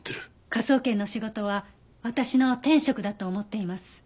科捜研の仕事は私の天職だと思っています。